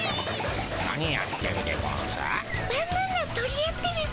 何やってるでゴンス？